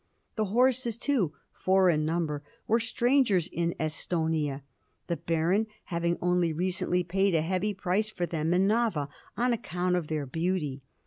The horses, too, four in number, were strangers in Estonia, the Baron having only recently paid a heavy price for them in Nava on account of their beauty.